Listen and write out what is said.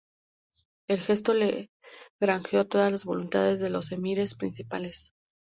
El gesto le granjeó todas las voluntades de los emires principales.